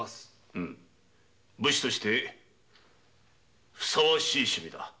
武士としてふさわしい趣味だ。